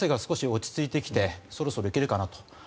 落ち着いてきてそろそろいけるかなと。